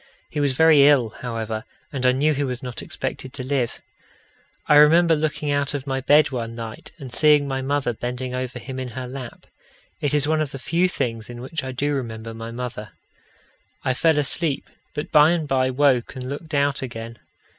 He was very ill, however, and I knew he was not expected to live. I remember looking out of my bed one night and seeing my mother bending over him in her lap; it is one of the few things in which I do remember my mother. I fell asleep, but by and by woke and looked out again.